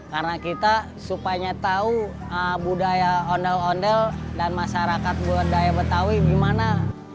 karena kita supaya tahu budaya ondel ondel dan masyarakat budaya betawi gimana